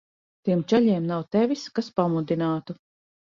Tiem čaļiem nav tevis, kas pamudinātu.